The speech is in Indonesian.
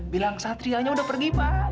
bilang satrianya udah pergi pak